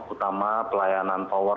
utama pelayanan tower